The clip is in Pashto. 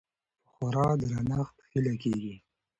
په خورا درنښت هيله کيږي